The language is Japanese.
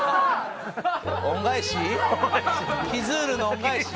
恩返し？